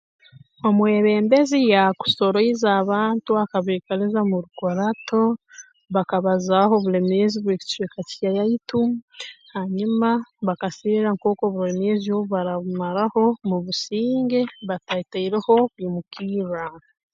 Omwebembezi yaakusoroize abantu akabaikaliza mu rukurato bakabazaaho obulemeezi bw'ekicweka kyaitu hanyuma bakaserra nk'oku obulemeezi obu baraabamuraho mu businge batataireho kwimukirra